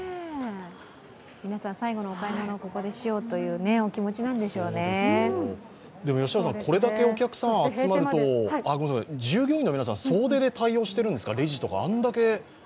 皆さん最後のお買い物をここでしようというこれだけお客さんが集まると従業員の皆さん、総出で対応しているんですか？